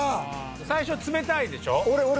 最初冷たいでしょ？